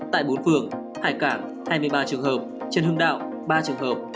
tại bốn phường hải cảng hai mươi ba trường hợp trần hưng đạo ba trường hợp